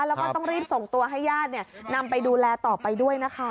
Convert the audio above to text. แล้วก็ต้องรีบส่งตัวให้ญาตินำไปดูแลต่อไปด้วยนะคะ